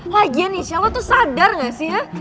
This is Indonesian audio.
lagian nisha lo tuh sadar nggak sih hah